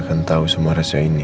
akan tahu semua rasa ini